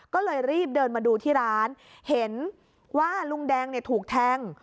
ก็เลยรีบเดินมาดูที่ร้านเห็นว่าลุงแดงเนี่ยถูกแทง